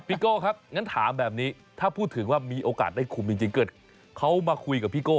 โก้ครับงั้นถามแบบนี้ถ้าพูดถึงว่ามีโอกาสได้คุมจริงเกิดเขามาคุยกับพี่โก้